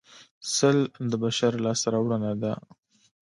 سل د بشر لاسته راوړنه ده